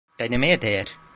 Denemeye değer.